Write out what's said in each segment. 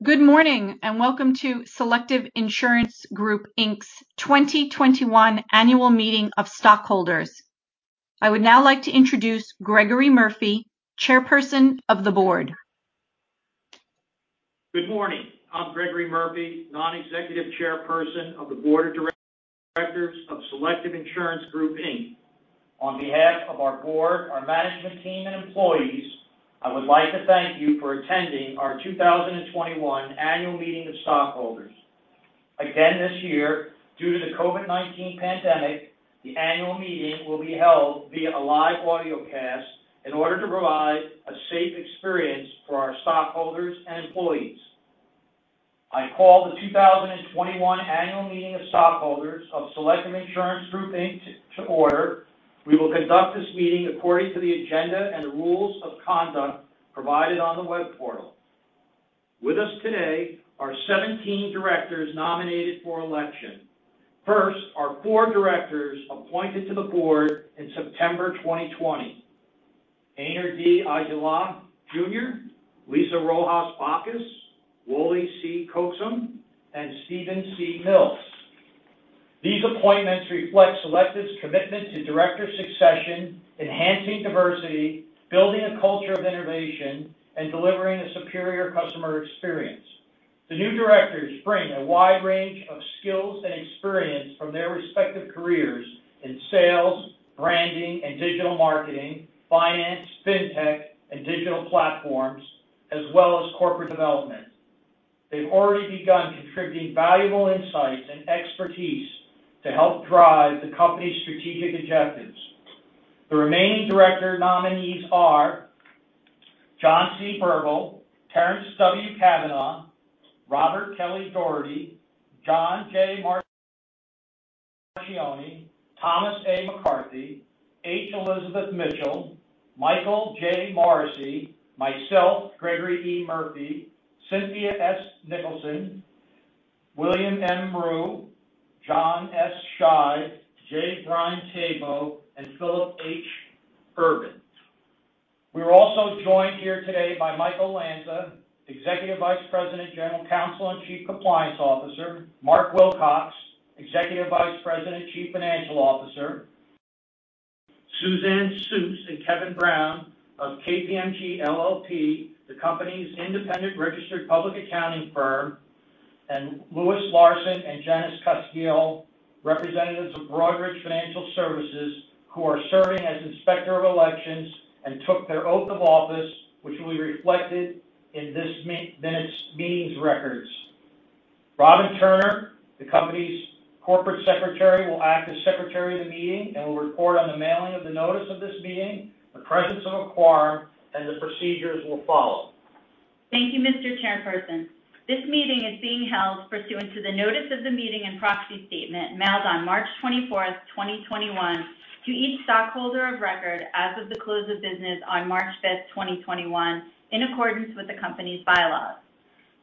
Welcome to Selective Insurance Group, Inc's 2021 annual meeting of stockholders. I would now like to introduce Gregory Murphy, Chairperson of the Board. Good morning. I'm Gregory Murphy, Non-Executive Chairperson of the Board of Directors of Selective Insurance Group, Inc. On behalf of our Board, our management team and employees, I would like to thank you for attending our 2021 annual meeting of stockholders. Again, this year, due to the COVID-19 pandemic, the annual meeting will be held via a live audio cast in order to provide a safe experience for our stockholders and employees. I call the 2021 annual meeting of stockholders of Selective Insurance Group, Inc. to order. We will conduct this meeting according to the agenda and rules of conduct provided on the web portal. With us today are 17 directors nominated for election. First, our four directors appointed to the Board in September 2020, Ainar D. Aijala, Jr., Lisa Rojas Bacus, Wole C. Coaxum, and Stephen C. Mills. These appointments reflect Selective's commitment to director succession, enhancing diversity, building a culture of innovation, and delivering a superior customer experience. The new directors bring a wide range of skills and experience from their respective careers in sales, branding and digital marketing, finance, fintech, and digital platforms, as well as corporate development. They've already begun contributing valuable insights and expertise to help drive the company's strategic objectives. The remaining director nominees are John C. Burville, Terrence W. Cavanaugh, Robert Kelly Doherty, John J. Marchioni, Thomas A. McCarthy, H. Elizabeth Mitchell, Michael J. Morrissey, myself, Gregory E. Murphy, Cynthia S. Nicholson, William M. Rue, John S. Scheid, J. Brian Thebault, and Philip H. Urban. We are also joined here today by Michael Lanza, Executive Vice President, General Counsel, and Chief Compliance Officer, Mark Wilcox, Executive Vice President and Chief Financial Officer, Suzanne Suss and Kevin Brown of KPMG LLP, the company's independent registered public accounting firm, and Louis Larsen and Janice [Cuskeel], representatives of Broadridge Financial Solutions, who are serving as Inspector of Elections and took their oath of office, which will be reflected in this meeting's records. Robyn Turner, the company's Corporate Secretary, will act as Secretary of the meeting and will report on the mailing of the notice of this meeting, the presence of a quorum, and the procedures we'll follow. Thank you, Mr. Chairperson. This meeting is being held pursuant to the notice of the meeting and proxy statement mailed on March 24th, 2021, to each stockholder of record as of the close of business on March 5th, 2021, in accordance with the company's bylaws.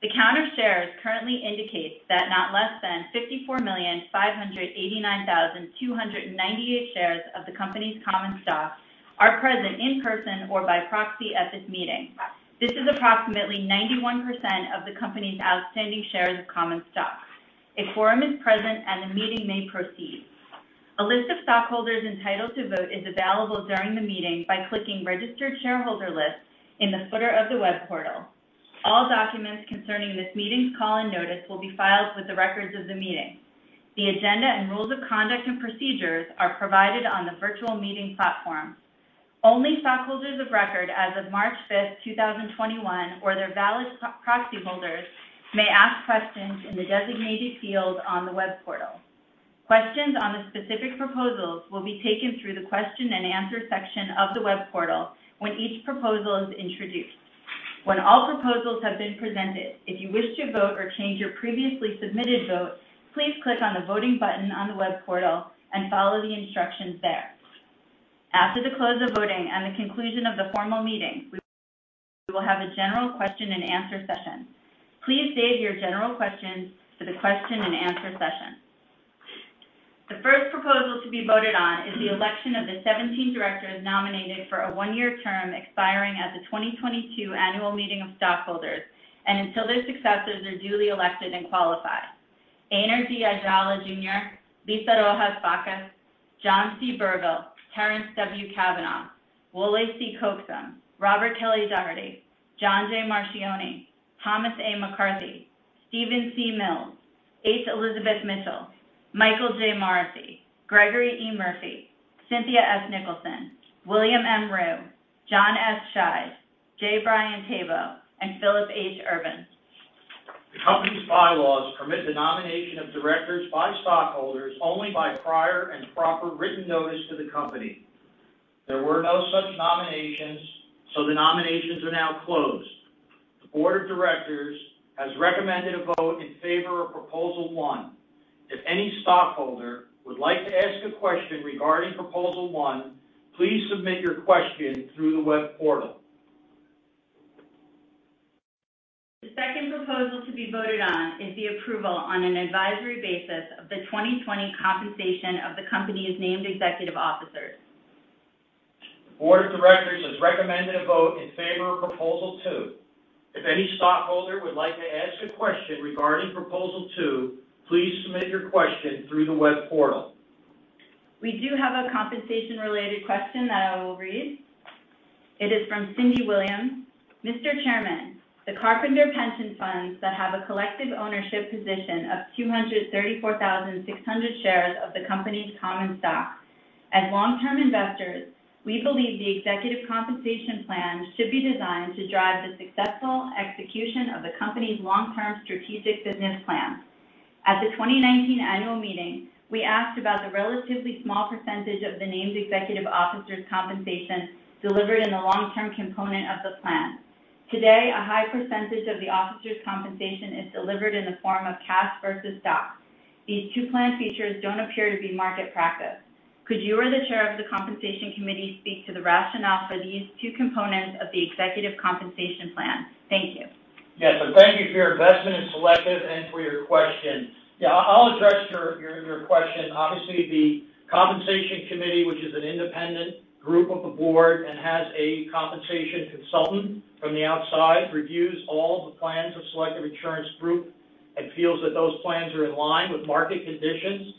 The count of shares currently indicates that not less than 54,589,298 shares of the company's common stock are present in person or by proxy at this meeting. This is approximately 91% of the company's outstanding shares of common stock. A quorum is present, and the meeting may proceed. A list of stockholders entitled to vote is available during the meeting by clicking Registered Shareholder List in the footer of the web portal. All documents concerning this meeting's call and notice will be filed with the records of the meeting. The agenda and rules of conduct and procedures are provided on the virtual meeting platform. Only stockholders of record as of March 5th, 2021, or their valid proxy holders may ask questions in the designated field on the web portal. Questions on the specific proposals will be taken through the question and answer section of the web portal when each proposal is introduced. When all proposals have been presented, if you wish to vote or change your previously submitted vote, please click on the voting button on the web portal and follow the instructions there. After the close of voting and the conclusion of the formal meeting, we will have a general question and answer session. Please save your general questions for the question and answer session. The first proposal to be voted on is the election of the 17 directors nominated for a one-year term expiring at the 2022 annual meeting of stockholders and until their successors are duly elected and qualified. Ainar D. Aijala, Jr., Lisa Rojas Bacus, John C. Burville, Terrence W. Cavanaugh, Wole C. Coaxum, Robert Kelly Doherty, John J. Marchioni, Thomas A. McCarthy, Stephen C. Mills, H. Elizabeth Mitchell, Michael J. Morrissey, Gregory Murphy, Cynthia S. Nicholson, William M. Rue, John S. Scheid, J. Brian Thebault, and Philip H. Urban. The company's bylaws permit the nomination of directors by stockholders only by prior and proper written notice to the company. There were no such nominations, so the nominations are now closed. The board of directors has recommended a vote in favor of proposal one. If any stockholder would like to ask a question regarding proposal one, please submit your question through the web portal. The second proposal to be voted on is the approval on an advisory basis of the 2020 compensation of the company's named executive officers. The board of directors has recommended a vote in favor of Proposal Two. If any stockholder would like to ask a question regarding Proposal Two, please submit your question through the web portal. We do have a compensation-related question that I will read. It is from Cyndie Williams. "Mr. Chairman, the Carpenter pension funds that have a collective ownership position of 234,600 shares of the company's common stock. As long-term investors, we believe the executive compensation plan should be designed to drive the successful execution of the company's long-term strategic business plan. At the 2019 annual meeting, we asked about the relatively small percentage of the named executive officers' compensation delivered in the long-term component of the plan. Today, a high percentage of the officers' compensation is delivered in the form of cash versus stock. These two plan features don't appear to be market practice. Could you or the chair of the Compensation Committee speak to the rationale for these two components of the executive compensation plan? Thank you. Yes. Thank you for your investment in Selective and for your question. Yeah, I'll address your question. Obviously, the Compensation Committee, which is an independent group of the board and has a compensation consultant from the outside, reviews all the plans of Selective Insurance Group and feels that those plans are in line with market conditions.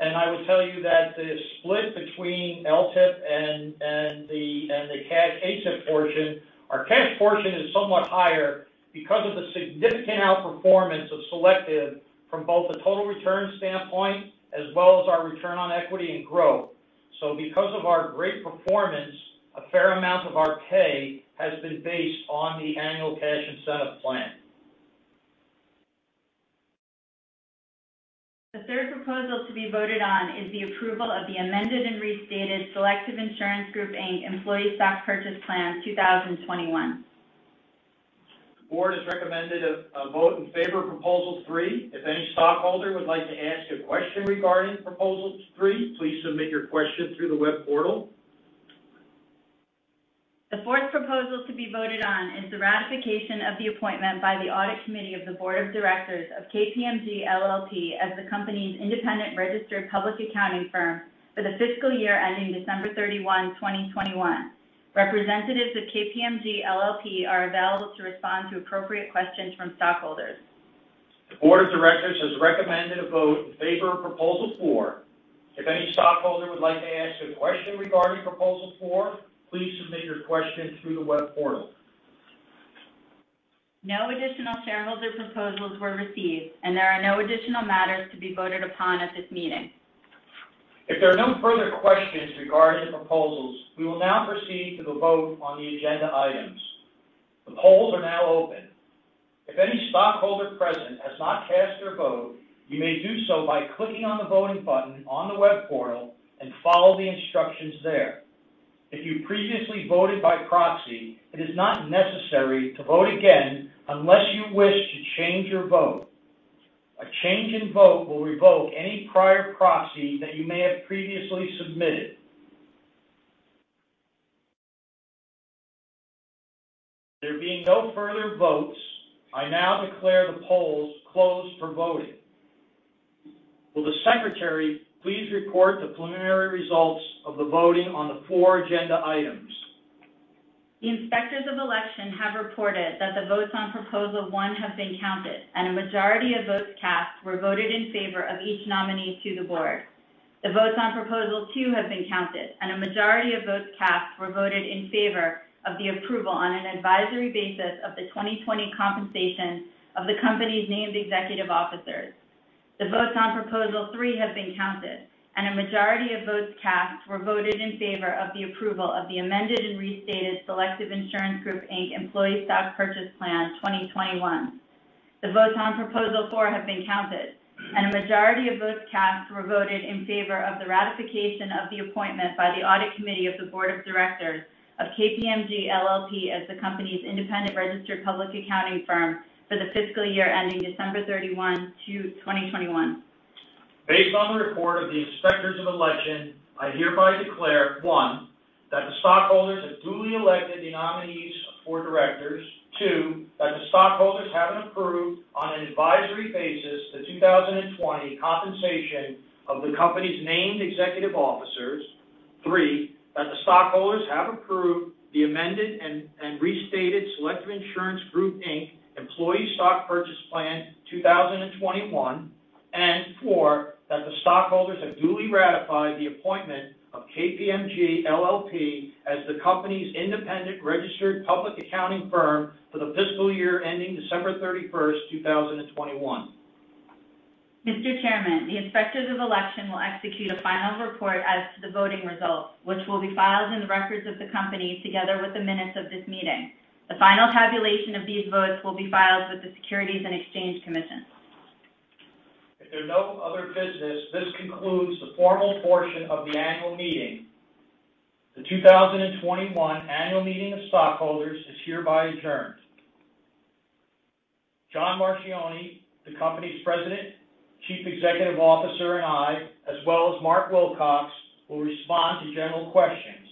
I will tell you that the split between LTIP and the cash ACIP portion, our cash portion is somewhat higher because of the significant outperformance of Selective from both a total return standpoint as well as our return on equity and growth. Because of our great performance, a fair amount of our pay has been based on the Annual Cash Incentive Plan. The third proposal to be voted on is the approval of the amended and restated Selective Insurance Group, Inc Employee Stock Purchase Plan (2021). The board has recommended a vote in favor of Proposal Three. If any stockholder would like to ask a question regarding Proposal Three, please submit your question through the web portal. The fourth proposal to be voted on is the ratification of the appointment by the Audit Committee of the Board of Directors of KPMG LLP as the company's independent registered public accounting firm for the fiscal year ending December 31, 2021. Representatives of KPMG LLP are available to respond to appropriate questions from stockholders. The board of directors has recommended a vote in favor of Proposal Four. If any stockholder would like to ask a question regarding Proposal Four, please submit your question through the web portal. No additional shareholder proposals were received, and there are no additional matters to be voted upon at this meeting. If there are no further questions regarding the proposals, we will now proceed to the vote on the agenda items. The polls are now open. If any stockholder present has not cast their vote, you may do so by clicking on the voting button on the web portal and follow the instructions there. If you previously voted by proxy, it is not necessary to vote again unless you wish to change your vote. A change in vote will revoke any prior proxy that you may have previously submitted. There being no further votes, I now declare the polls closed for voting. Will the secretary please report the preliminary results of the voting on the four agenda items? The Inspectors of Election have reported that the votes on Proposal One have been counted, and a majority of votes cast were voted in favor of each nominee to the board. The votes on Proposal Two have been counted, and a majority of votes cast were voted in favor of the approval on an advisory basis of the 2020 compensation of the company's named executive officers. The votes on Proposal Three have been counted, and a majority of votes cast were voted in favor of the approval of the amended and restated Selective Insurance Group, Inc Employee Stock Purchase Plan 2021. The votes on Proposal Four have been counted, and a majority of votes cast were voted in favor of the ratification of the appointment by the Audit Committee of the Board of Directors of KPMG LLP as the company's independent registered public accounting firm for the fiscal year ending December 31, 2021. Based on the report of the Inspectors of Election, I hereby declare, one, that the stockholders have duly elected the nominees for directors. Two, that the stockholders have approved, on an advisory basis, the 2020 compensation of the company's named executive officers. Three, that the stockholders have approved the amended and restated Selective Insurance Group, Inc. Employee Stock Purchase Plan 2021. Four, that the stockholders have duly ratified the appointment of KPMG LLP as the company's independent registered public accounting firm for the fiscal year ending December 31, 2021. Mr. Chairman, the Inspectors of Election will execute a final report as to the voting results, which will be filed in the records of the company, together with the minutes of this meeting. The final tabulation of these votes will be filed with the Securities and Exchange Commission. If there's no other business, this concludes the formal portion of the annual meeting. The 2021 annual meeting of stockholders is hereby adjourned. John Marchioni, the company's President, Chief Executive Officer, and I, as well as Mark Wilcox, will respond to general questions.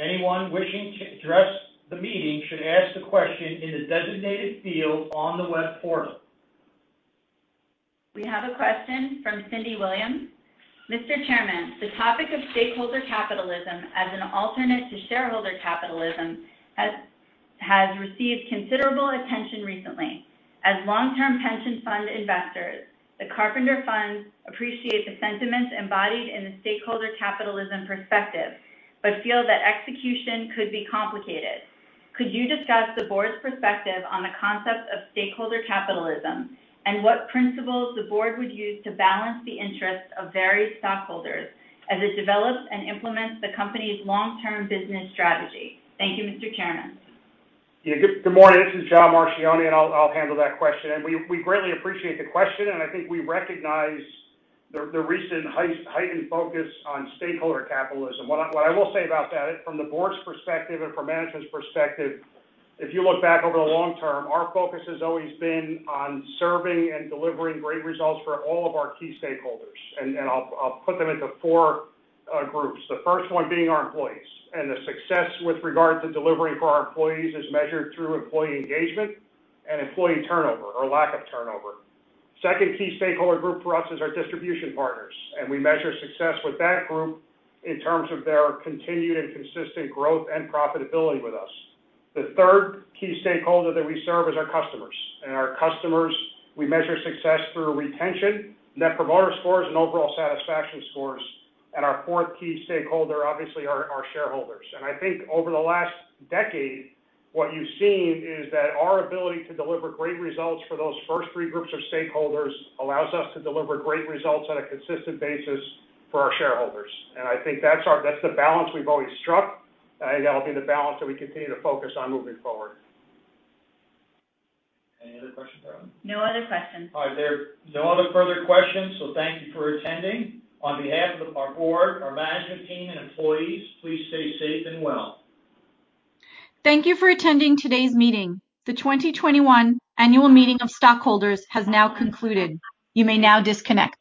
Anyone wishing to address the meeting should ask the question in the designated field on the web portal. We have a question from Cyndie Williams. "Mr. Chairman, the topic of stakeholder capitalism as an alternate to shareholder capitalism has received considerable attention recently. As long-term pension fund investors, the Carpenter funds appreciate the sentiments embodied in the stakeholder capitalism perspective, but feel that execution could be complicated. Could you discuss the board's perspective on the concept of stakeholder capitalism, and what principles the board would use to balance the interests of various stockholders as it develops and implements the company's long-term business strategy? Thank you, Mr. Chairman. Yeah. Good morning. This is John Marchioni, I'll handle that question. We greatly appreciate the question, I think we recognize the recent heightened focus on stakeholder capitalism. What I will say about that, from the board's perspective and from management's perspective, if you look back over the long term, our focus has always been on serving and delivering great results for all of our key stakeholders. I'll put them into four groups. The first one being our employees. The success with regard to delivering for our employees is measured through employee engagement and employee turnover or lack of turnover. Second key stakeholder group for us is our distribution partners, and we measure success with that group in terms of their continued and consistent growth and profitability with us. The third key stakeholder that we serve is our customers. Our customers, we measure success through retention, net promoter scores, and overall satisfaction scores. Our fourth key stakeholder, obviously, are our shareholders. I think over the last decade, what you've seen is that our ability to deliver great results for those first three groups of stakeholders allows us to deliver great results on a consistent basis for our shareholders. I think that's the balance we've always struck, and that'll be the balance that we continue to focus on moving forward. Any other questions for me? No other questions. All right. There are no other further questions, so thank you for attending. On behalf of our board, our management team, and employees, please stay safe and well. Thank you for attending today's meeting. The 2021 annual meeting of stockholders has now concluded. You may now disconnect.